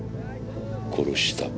殺した。